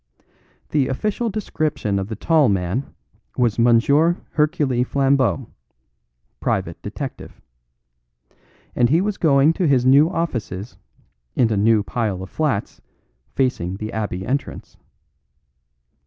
The official description of the tall man was M. Hercule Flambeau, private detective, and he was going to his new offices in a new pile of flats facing the Abbey entrance.